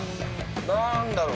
何だろう。